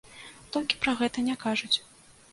Толькі пра гэта не кажуць.